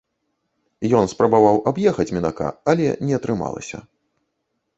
Ён спрабаваў аб'ехаць мінака, але не атрымалася.